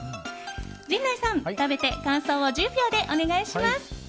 陣内さん、食べて感想を１０秒でお願いします。